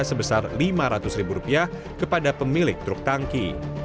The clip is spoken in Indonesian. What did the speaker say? sebesar lima ratus ribu rupiah kepada pemilik truk tangki